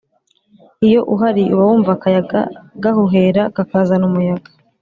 Iyo uhari uba wumva akayaga gahuhera kakazana umuyaga